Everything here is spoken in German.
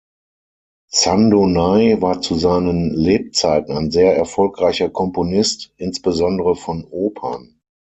Zandonai war zu seinen Lebzeiten ein sehr erfolgreicher Komponist, insbesondere von Opern.